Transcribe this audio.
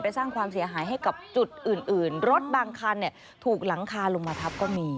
สร้างความเสียหายให้กับจุดอื่นอื่นรถบางคันเนี่ยถูกหลังคาลงมาทับก็มี